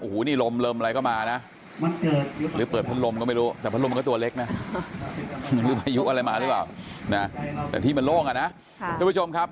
โอ้โหโลมเลยก็มาหรือเปิดพันธุ์ลมก็ไม่รู้แต่พัทรมมันตัวเล็ก